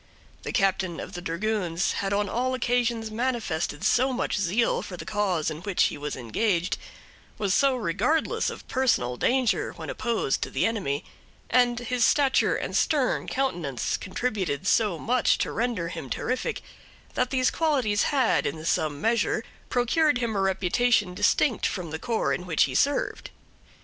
The captain of dragoons had on all occasions manifested so much zeal for the cause in which he was engaged, was so regardless of personal danger when opposed to the enemy, and his stature and stern countenance contributed so much to render him terrific, that these qualities had, in some measure, procured him a reputation distinct from the corps in which he served.